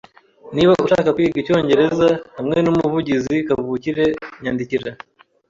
Niba ushaka kwiga icyongereza hamwe numuvugizi kavukire, nyandikira.